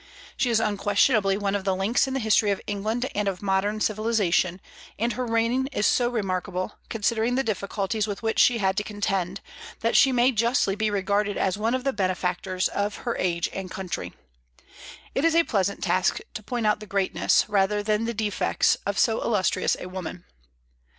She is unquestionably one of the links in the history of England and of modern civilization; and her reign is so remarkable, considering the difficulties with which she had to contend, that she may justly be regarded as one of the benefactors of her age and country. It is a pleasant task to point out the greatness, rather than the defects, of so illustrious a woman.